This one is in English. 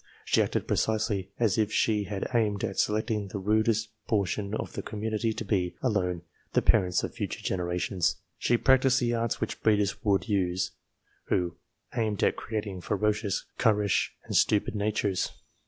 She acted precisely as if she had aimed at selecting the rudest portion of the community to be, alone, the parents of future generations. She practised the arts which breeders would use, who aimed at creating ferocious, currish, and stupid natures.